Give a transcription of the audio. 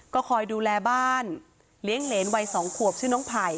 ก็คอยดูแลบ้านเลี้ยงเหรนวัย๒ขวบชื่อน้องไผ่